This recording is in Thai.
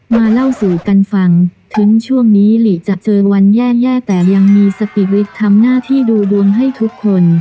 เล่าสู่กันฟังถึงช่วงนี้หลีจะเจอวันแย่แต่ยังมีสติฤทธิ์ทำหน้าที่ดูดวงให้ทุกคน